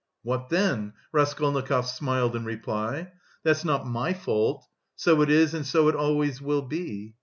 "What then?" Raskolnikov smiled in reply; "that's not my fault. So it is and so it always will be.